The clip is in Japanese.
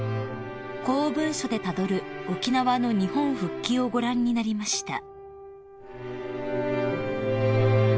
「公文書でたどる沖縄の日本復帰」をご覧になりました］